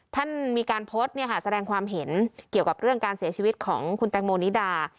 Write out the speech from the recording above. ท่านมีการโพสต์แสดงความเห็นเกี่ยวกับเรื่องการเสียชีวิตของคุณแตงโมนิดา